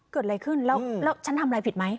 เกิดอะไรขึ้นแล้วฉันทำอะไรผิดไหม